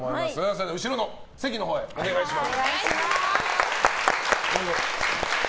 それでは後ろの席のほうへお願いします。